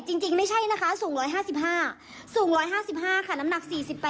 จริงไม่ใช่นะคะสูง๑๕๕สูง๑๕๕ค่ะน้ำหนัก๔๘